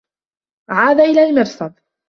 عاد إلى المرصد.